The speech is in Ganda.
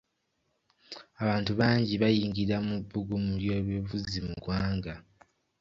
Abantu bangi bayingira mu bbugumu ly'ebyobufuzi mu ggwanga.